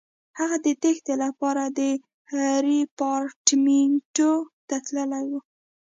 هغه د تېښتې لپاره ریپارټیمنټو ته تللی وای.